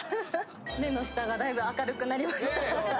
目の下がだいぶ明るくなりました。